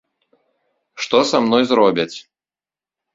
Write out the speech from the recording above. Што са мной зробяць?